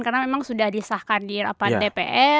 karena memang sudah disahkan di dpr